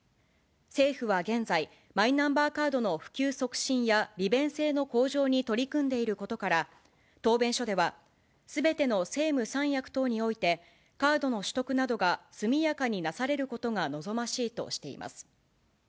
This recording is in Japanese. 政府は現在、マイナンバーカードの普及促進や利便性の向上に取り組んでいることから、答弁書では、すべての政務三役等において、カードの取得などが速やかになされることが望ましいとしています。